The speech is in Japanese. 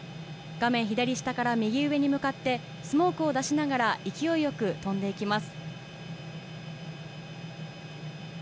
画面左下から右上に向かって、スモークを出しながら、勢いよく飛んでいきます。